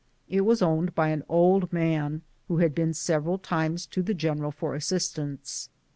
It was owned by an old man who had been several times to the gen eral for assistance.